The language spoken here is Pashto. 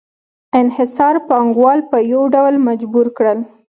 انحصار پانګوال په یو ډول مجبور کړل